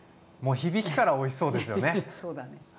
もう響きからおいしそうですよね！